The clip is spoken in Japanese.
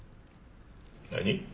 何？